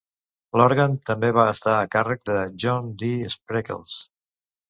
L'òrgan també va estar a càrrec de John D. Spreckels.